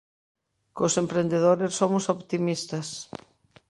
Cos emprendedores somos optimistas.